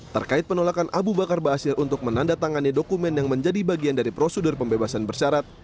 terkait penolakan abu bakar basir untuk menandatangani dokumen yang menjadi bagian dari prosedur pembebasan bersyarat